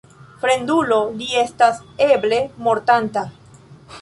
Fremdulo, li estas eble mortanta.